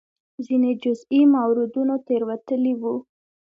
ځینې جزئي موردونو تېروتلي وو.